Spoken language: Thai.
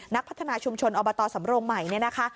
นักพัฒนาชุมชนอบตสำโรงใหม่เนี่ยนะคะ